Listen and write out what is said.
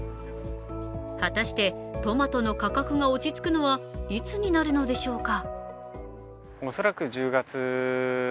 果たしてトマトの価格が落ち着くのはいつになるのでしょうか。